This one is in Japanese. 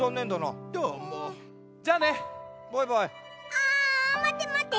あまってまって。